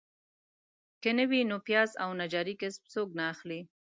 که نه وي نو پیاز او نجاري کسب څوک نه اخلي.